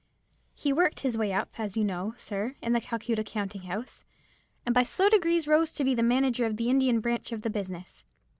He worked his way up, as you know, sir, in the Calcutta counting house, and by slow degrees rose to be manager of the Indian branch of the business.